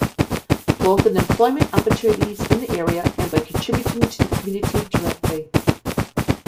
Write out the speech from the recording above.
Both in employment opportunities in the area, and by contributing to the community directly.